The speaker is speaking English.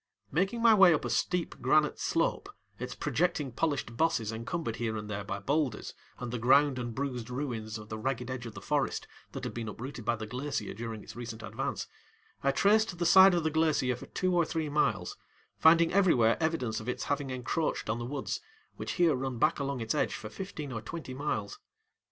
Making my way up a steep granite slope, its projecting polished bosses encumbered here and there by boulders and the ground and bruised ruins of the ragged edge of the forest that had been uprooted by the glacier during its recent advance, I traced the side of the glacier for two or three miles, finding everywhere evidence of its having encroached on the woods, which here run back along its edge for fifteen or twenty miles.